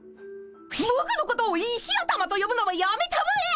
ぼくのことを石頭とよぶのはやめたまえ！